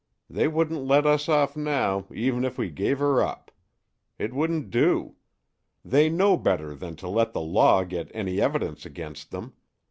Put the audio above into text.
They wouldn't let us off now, even if we gave her up. It wouldn't do. They know better than to let the Law get any evidence against them.